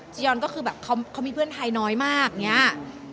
จียอนก็คือคุณมีเพื่อนชีวิตไทยน้อยมาก